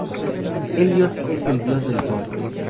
Helios es el dios del Sol.